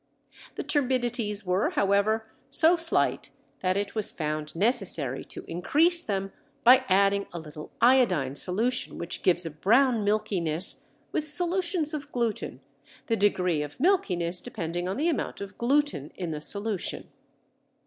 The turbidities were, however, so slight that it was found necessary to increase them by adding a little iodine solution which gives a brown milkiness with solutions of gluten, the degree of milkiness depending on the amount of gluten in the solution.